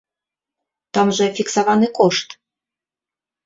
Там жа фіксаваны кошт!